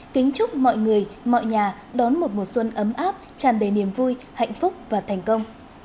kính chúc mọi người mọi nhà đón một mùa xuân ấm áp tràn đầy niềm vui hạnh phúc và thành công